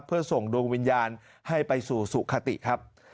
เพื่อส่งดวงวิญญาณให้ไปสู่สุขติครับ